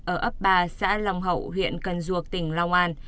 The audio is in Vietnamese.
ở ấp ba xã long hậu huyện cần duộc tỉnh long an